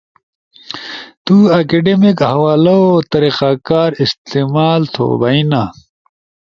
تو اکیڈیمک حوالو طریقہ کار استعمال تھو بئینا